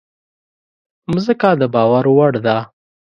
مځکه د باور وړ ده.